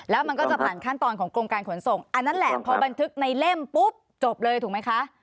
แล้วมันก็จะผ่านขั้นตอนของกรมการขนส่งอันนั้นแหละพอบันทึกในเล่มปุ๊บจบเลยถูกไหมคะ